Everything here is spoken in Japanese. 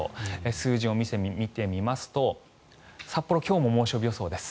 数字を見てみますと札幌、今日も猛暑日予想です。